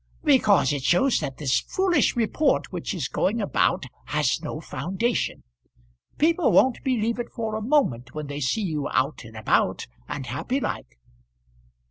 "Because it shows that this foolish report which is going about has no foundation. People won't believe it for a moment when they see you out and about, and happy like."